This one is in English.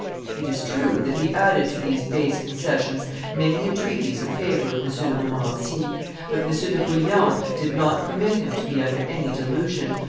It is true that he added to these base concessions many entreaties in favor of M. de Montmorency; but M. de Bullion did not permit him to be under any delusion.